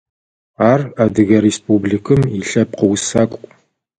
Ар Адыгэ Республикым илъэпкъ усакӏу.